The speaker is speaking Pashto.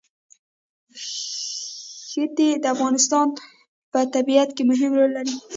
ښتې د افغانستان په طبیعت کې مهم رول لري.